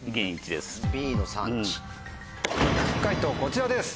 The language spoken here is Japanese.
解答こちらです。